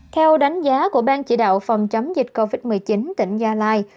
theo đánh giá của ban chỉ đạo phòng chống dịch covid một mươi chín tỉnh gia lai